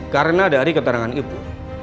karena dari keterangan ibu